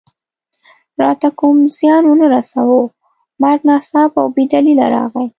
راته کوم زیان و نه رساوه، مرګ ناڅاپه او بې دلیله راغی.